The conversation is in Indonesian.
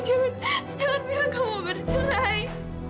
jangan bilang kamu bercerai